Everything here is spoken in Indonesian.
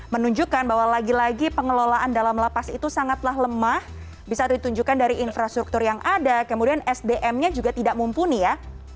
menunjukkan bahwa lagi lagi pengelolaan dalam lapas itu sangatlah lemah bisa ditunjukkan dari infrastruktur yang ada kemudian sdm nya juga tidak mumpuni ya